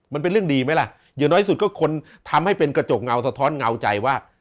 มันเป็นเรื่องดีไหมล่ะอย่างน้อยสุดก็คนทำให้เป็นกระจกเงาสะท้อนเงาใจว่า